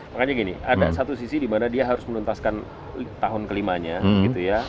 makanya gini ada satu sisi dimana dia harus menuntaskan tahun kelimanya gitu ya